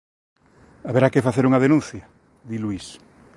Haberá que facer unha denuncia –di Luís.